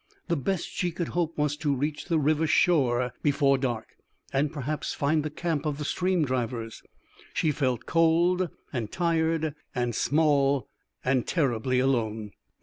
The best she could hope was to reach the river shore before dark, and perhaps find the camp of the stream drivers. She felt cold, and tired, and small, and terribly alone.